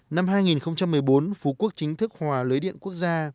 năm hai nghìn một mươi bốn phú quốc chính thức hòa lưới điện quốc gia